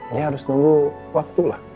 ini harus nunggu waktu lah